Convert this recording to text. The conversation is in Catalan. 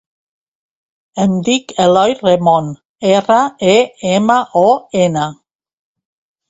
Em dic Eloy Remon: erra, e, ema, o, ena.